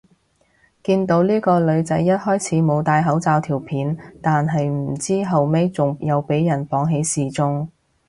見到呢個女仔一開始冇戴口罩條片，但係唔知後尾仲有俾人綁起示眾